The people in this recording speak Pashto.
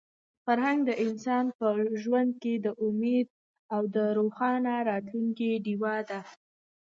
فرهنګ د انسان په ژوند کې د امید او د روښانه راتلونکي ډیوه ده.